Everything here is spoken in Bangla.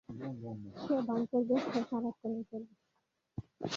যে ভান করবে, সে সারাক্ষিণই করবে।